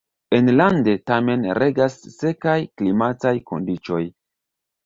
Enlande tamen regas sekaj klimataj kondiĉoj.